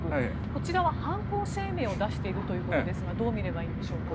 こちらは犯行声明を出しているということですがどう見ればいいんでしょうか。